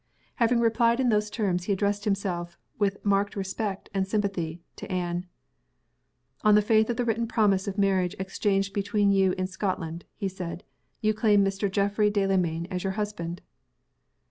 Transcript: Having replied in those terms he addressed himself, with marked respect and sympathy, to Anne. "On the faith of the written promise of marriage exchanged between you in Scotland," he said, "you claim Mr. Geoffrey Delamayn as your husband?"